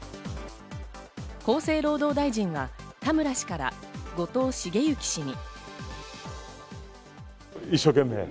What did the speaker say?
厚生労働大臣は田村氏から後藤茂之氏に。